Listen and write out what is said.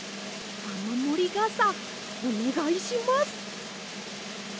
あまもりがさおねがいします！